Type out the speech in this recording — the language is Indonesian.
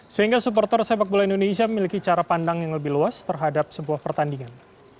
sehingga supporter sepak bola indonesia memiliki cara pandang yang lebih luas terhadap sebuah pertandingan